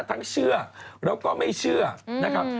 เชื่อแล้วก็ไม่เชื่อนะครับ